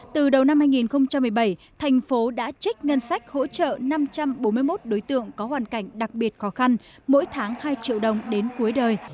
từ đầu năm hai nghìn một mươi bảy thành phố đã trích ngân sách hỗ trợ năm trăm bốn mươi một đối tượng có hoàn cảnh đặc biệt khó khăn mỗi tháng hai triệu đồng đến cuối đời